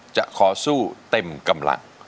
จะขอสู้เต็มกำลัง